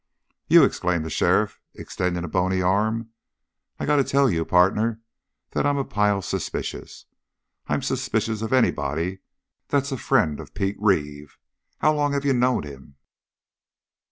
"You!" exclaimed the sheriff, extending a bony arm. "I got to tell you, partner, that I'm a pile suspicious. I'm suspicious of anybody that's a friend of Pete Reeve. How long have you knowed him?"